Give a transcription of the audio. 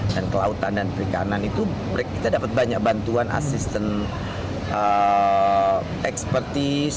dan kelautan dan perikanan itu kita dapat banyak bantuan asisten ekspertis